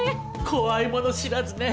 怖いもの知らずね。